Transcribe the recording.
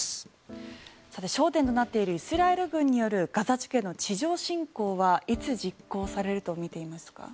焦点となっているイスラエル軍によるガザ地区の地上侵攻はいつ実行されるとみていますか。